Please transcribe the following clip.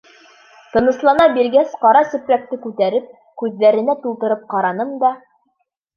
Тыныслана биргәс, ҡара сепрәкте күтәреп, күҙҙәренә тултырып ҡараным да: